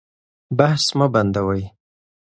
بحث مه بندوئ.